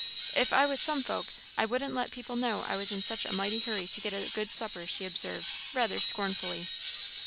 "If I was some folks, I wouldn't let people know I was in such a mighty hurry to get a good supper," she observed, rather scornfully.